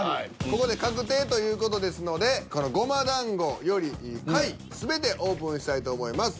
ここで確定という事ですのでこのごま団子より下位全てオープンしたいと思います。